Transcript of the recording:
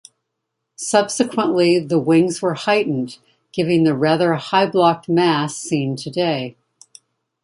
Subsequently the wings were heightened, giving the rather high-blocked mass seen today.